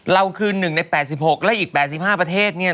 เราคือ๑ใน๘๖และอีก๘๕ประเทศเนี่ย